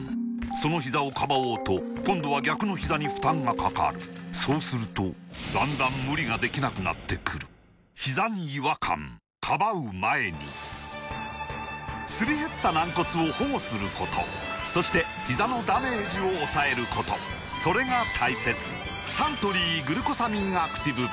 そのひざをかばおうと今度は逆のひざに負担がかかるそうするとだんだん無理ができなくなってくるすり減った軟骨を保護することそしてひざのダメージを抑えることそれが大切サントリー「グルコサミンアクティブ」